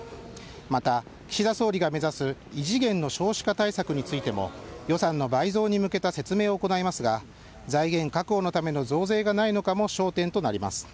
また、岸田総理が目指す異次元の少子化対策についても、予算の倍増に向けた説明を行いますが、財源確保のための増税がないのかも焦点となります。